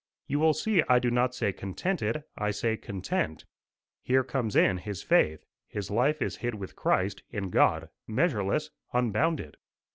You will see I do not say contented; I say content. Here comes in his faith: his life is hid with Christ in God, measureless, unbounded.